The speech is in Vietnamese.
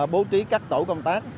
bố trí các tổ công tác